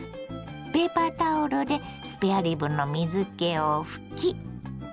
ペーパータオルでスペアリブの水けを拭き。